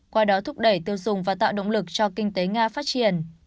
qua đó thúc đẩy tiêu dùng và tạo động lực cho kinh tế nga phát triển